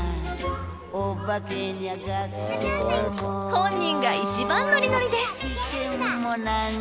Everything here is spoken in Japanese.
本人が一番ノリノリです。